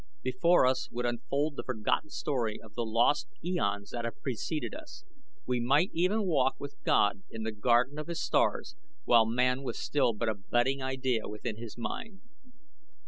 Before us would unfold the forgotten story of the lost eons that have preceded us. We might even walk with God in the garden of His stars while man was still but a budding idea within His mind.